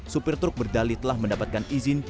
supir truk berdali telah mendapatkan izin